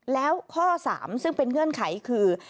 แล้วข้อ๓ซึ่งเป็นเงื่อนไขคือ